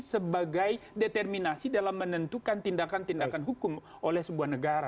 sebagai determinasi dalam menentukan tindakan tindakan hukum oleh sebuah negara